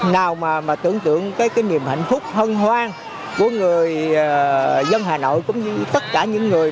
nào mà tưởng tượng cái niềm hạnh phúc hân hoang của người dân hà nội cũng như tất cả những người